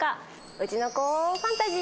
ウチの子ファンタジー。